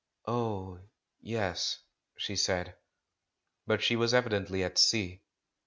"Oh, y e s," she said. But she was evidently at sea.